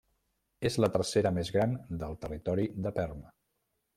És la tercera més gran del territori de Perm.